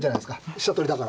飛車取りだから。